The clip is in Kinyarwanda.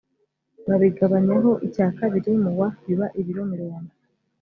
babigabanyaho icya kabiri mu wa biba ibiro mirongo